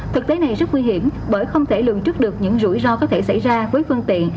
thực tế này rất nguy hiểm bởi không thể lường trước được những rủi ro có thể xảy ra với phương tiện